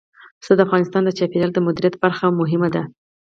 پسه د افغانستان د چاپیریال د مدیریت لپاره مهم دي.